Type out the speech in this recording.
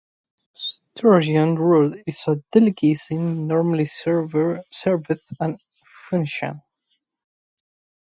Sturgeon roe is a delicacy normally served at functions.